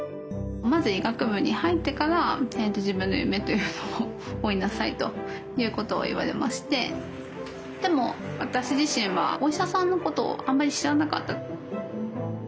「まず医学部に入ってから自分の夢というのを追いなさい」ということを言われましてでも私自身はお医者さんのことをあまり知らなかった。